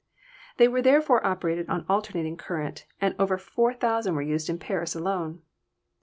They were therefore operated on alternating current, and over 4,000 were in use in Paris alone.